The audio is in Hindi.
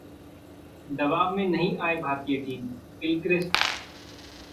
दबाव में नहीं आए भारतीय टीम: गिलक्रिस्ट